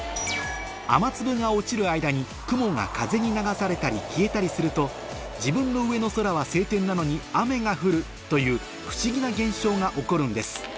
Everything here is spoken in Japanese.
雨粒が落ちる間に雲が風に流されたり消えたりすると自分の上の空は晴天なのに雨が降るという不思議な現象が起こるんです